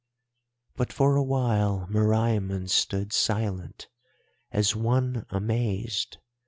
"But for a while Meriamun stood silent, as one amazed.